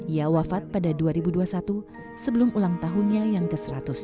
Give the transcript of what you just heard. ia wafat pada dua ribu dua puluh satu sebelum ulang tahunnya yang ke seratus